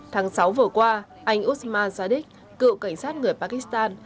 tháng sáu vừa qua anh usman sadiq cựu cảnh sát người pakistan